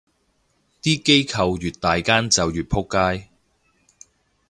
啲機構越大間就越仆街